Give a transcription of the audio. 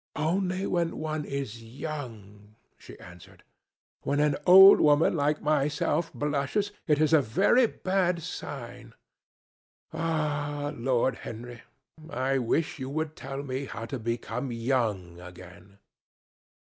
"Only when one is young," she answered. "When an old woman like myself blushes, it is a very bad sign. Ah! Lord Henry, I wish you would tell me how to become young again."